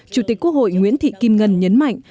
chủ tịch quốc hội nguyễn thị kim ngân nhấn mạnh